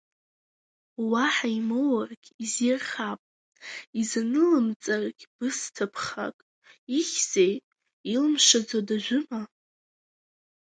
Уаҳа имоургь изирхап, изанылымҵаргь бысҭа ԥхак, ихьзеи, илмшаӡо дажәыма?